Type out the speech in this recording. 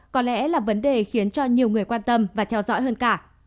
có lẽ là vấn đề khiến cho nhiều người quan tâm và theo dõi hơn cả